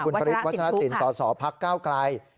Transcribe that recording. คุณพริษวัชรสินสศพก้าวกราย